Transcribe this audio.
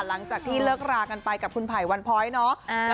หลังจากที่เลิกรากันไปกับคุณไผ่วันพ้อยเนาะ